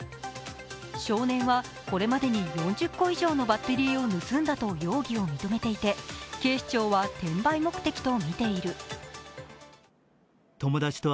少年はこれまでに４０個以上のバッテリーを盗んだと容疑を認めていて警視庁は転売目的とみている。